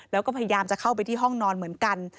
แล้วก็พยายามจะเข้าไปที่ห้องนอนเหมือนกัน